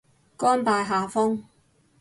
甘拜下風